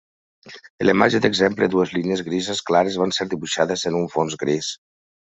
En la imatge d'exemple, dues línies grises clares van ser dibuixades en un fons gris.